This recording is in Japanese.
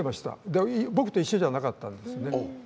でも僕と一緒じゃなかったんですね。